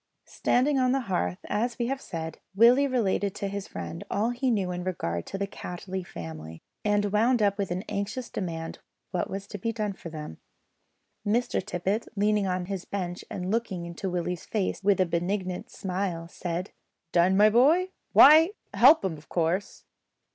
Standing on the hearth, as we have said, Willie related to his friend all he knew in regard to the Cattley family, and wound up with an anxious demand what was to be done for them. Mr Tippet, leaning on his bench and looking into Willie's face with a benignant smile, said "Done, my boy? why, help 'em of course."